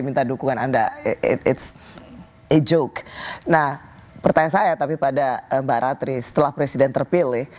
minta dukungan anda ⁇ its ⁇ a joke nah pertanyaan saya tapi pada mbak ratri setelah presiden terpilih